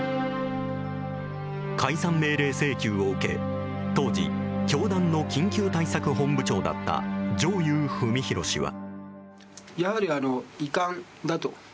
解散命令請求を受け当時、教団の緊急対策本部長だった上祐史浩氏は。